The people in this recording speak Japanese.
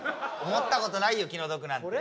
思った事ないよ気の毒なんて。